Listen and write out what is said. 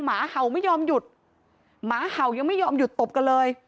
หมาเห่าไม่ยอมหยุดหมาเห่ายังไม่ยอมหยุดตบกันเลย